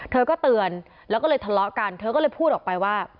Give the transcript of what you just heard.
เธอก็เตือนแล้วก็เลยทะเลาะกันเธอก็เลยพูดออกไปว่า